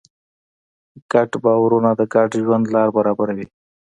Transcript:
ګډ باورونه د ګډ ژوند لاره برابروي.